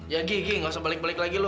ya gi gi gak usah balik balik lagi lu